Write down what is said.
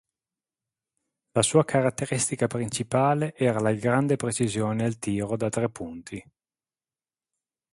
La sua caratteristica principale era la grande precisione al tiro da tre punti.